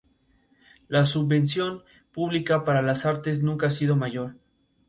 La subvención pública para las artes nunca ha sido mayor.